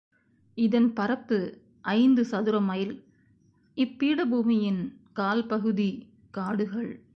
இதன் பரப்பு ஐந்து சதுரமைல், இப்பீடபூமியின் கால்பகுதி காடுகள்.